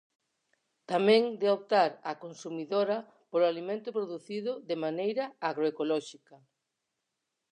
Tamén de optar a consumidora polo alimento producido de maneira agroecolóxica.